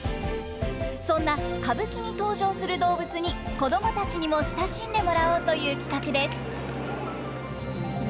そんな歌舞伎に登場する動物に子供たちにも親しんでもらおうという企画です。